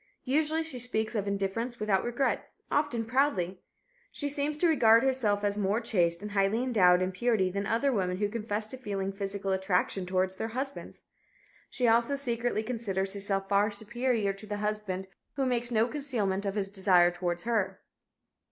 Usually she speaks of indifference without regret; often proudly. She seems to regard herself as more chaste and highly endowed in purity than other women who confess to feeling physical attraction toward their husbands. She also secretly considers herself far superior to the husband who makes no concealment of his desire toward her.